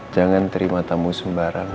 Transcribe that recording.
jangan terima tamu sembarangan